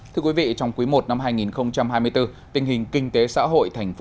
thưa quý vị trong quý i năm hai nghìn hai mươi bốn tình hình kinh tế xã hội thành phố